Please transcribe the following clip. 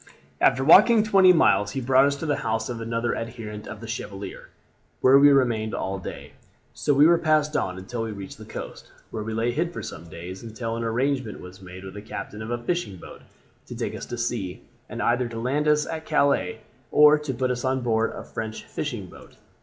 "After walking twenty miles he brought us to the house of another adherent of the Chevalier, where we remained all day. So we were passed on until we reached the coast, where we lay hid for some days until an arrangement was made with the captain of a fishing boat to take us to sea, and either to land us at Calais or to put us on board a French fishing boat.